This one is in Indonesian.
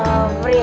eh kau sobri